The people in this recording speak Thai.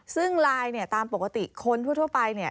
ซึ่งไลน์ตามปกติคนทั่วไป